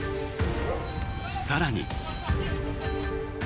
更に。